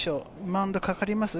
マウンドかかります？